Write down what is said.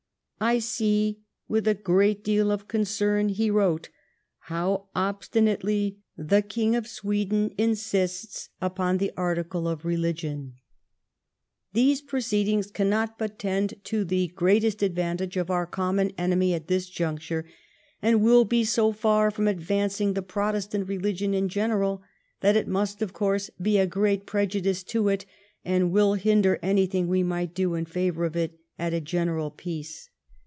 ' I see with a great deal of concern,' he wrote, 'how obstinately the King of Sweden insists upon the article of religion. . These proceedings cannot but tend to the greatest advantage of our common enemy at this juncture, and will be so far from advancing the Protestant religion in general, that it must, of course, be a 1707 RELIGIOUS EQUALITY. 7 great prejudice to it, and will hinder anything we might do in favour of it at a general peace.'